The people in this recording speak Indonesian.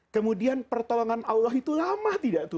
kemudian pertolongan allah itu lama tidak tuh